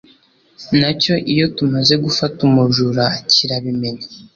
na cyo iyo tumaze gufata umujura kirabimenya